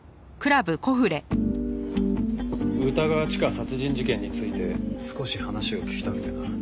歌川チカ殺人事件について少し話を聞きたくてな。